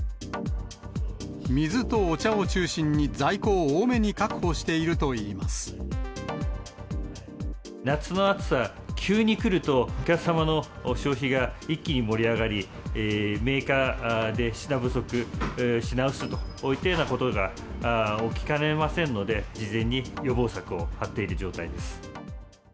水とお茶を中心に在庫を多め夏の暑さ、急にくると、お客様の消費が一気に盛り上がり、メーカーで品不足、品薄といったようなことが起きかねませんので、事前に予防策を張っている状態です。